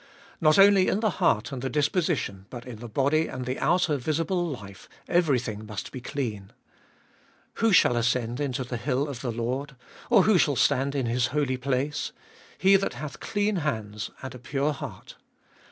Not only in the heart and the disposition, but in the body and the outer visible life, everything must be clean. Who shall ascend into the hill of the Lord? or who shall stand in PI is Holy Place ? He that hath clean hands, and a pure heart.